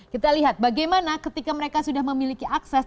kita lihat bagaimana ketika mereka sudah memiliki akses